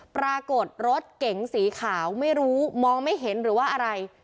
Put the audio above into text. ปรากฏรถเก๋งสีขาวไม่รู้มองไม่เห็นหรือว่าอะไร